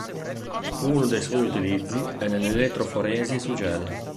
Uno dei suoi utilizzi è nell'elettroforesi su gel.